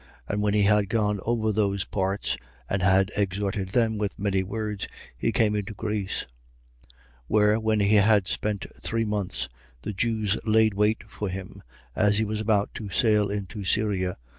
20:2. And when he had gone over those parts and had exhorted them with many words, he came into Greece: 20:3. Where, when he had spent three months, the Jews laid wait for him, as he was about to sail into Syria.